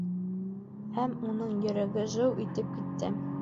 Һәм уның йөрәге жыу итеп китте.